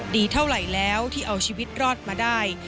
ดีเท่าไหร่แล้วที่เอาชีวิตรอดมาได้